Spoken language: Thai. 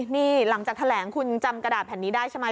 นี่หลังจากแถลงคุณจำกระดาษแผ่นนี้ได้ใช่ไหม